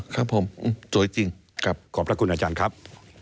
ครับผมสวยจริงครับขอบพระคุณอาจารย์ครับ